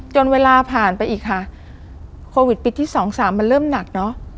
จนเวลาผ่านไปอีกค่ะโควิดปีที่สองสามมันเริ่มหนักเนอะ